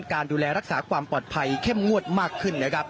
การดูแลรักษาความปลอดภัยเข้มงวดมากขึ้นนะครับ